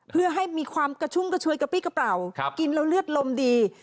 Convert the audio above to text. เพื่อให้มีความกระชุ่มกระชวยกระปี้กระเป๋ากินแล้วเลือดลมดี